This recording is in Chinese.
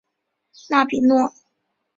纳比诺。